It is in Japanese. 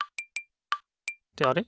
ってあれ？